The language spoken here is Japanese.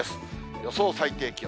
予想最低気温。